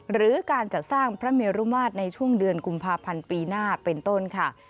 หรือการจัดสร้างพระเมรุมาตรในช่วงเดือนกุมภาพันธ์ปีหน้าเป็นต้นค่ะ